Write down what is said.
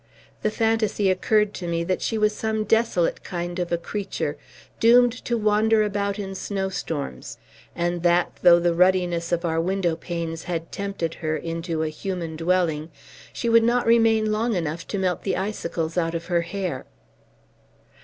The fantasy occurred to me that she was some desolate kind of a creature, doomed to wander about in snowstorms; and that, though the ruddiness of our window panes had tempted her into a human dwelling, she would not remain long enough to melt the icicles out of her hair.